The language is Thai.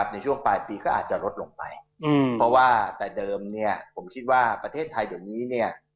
ในช่วงปลายปีก็อาจจะลดลงไปเพราะว่าแต่เดิมเนี่ยผมคิดว่าประเทศไทยเดี๋ยวนี้เนี่ย